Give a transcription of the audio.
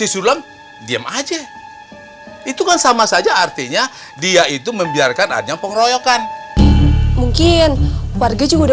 di sulam diam aja itu kan sama saja artinya dia itu membiarkan ada pengroyokan mungkin warga juga